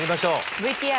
ＶＴＲ。